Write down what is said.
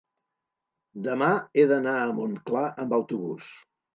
demà he d'anar a Montclar amb autobús.